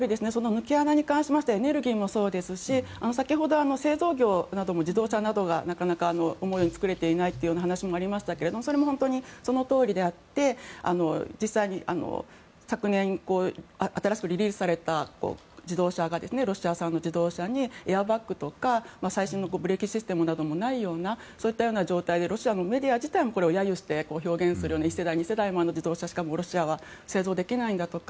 抜け穴に関しましてはエネルギーもそうですし先ほど製造業なども自動車などがなかなか思うように作れていないという話がありましたがそれも本当にそのとおりであって実際に昨年新しくリリースされたロシア産の自動車にエアバッグとか最新のブレーキシステムなどもないようなそういった状態でロシアのメディア自体もこれを揶揄して表現するような１世代も２世代前のものしかロシアは製造できないんだとか